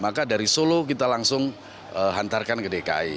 maka dari solo kita langsung hantarkan ke dki